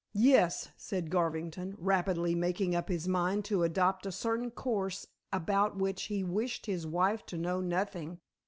"Yes," said Garvington, rapidly making up his mind to adopt a certain course about which he wished his wife to know nothing.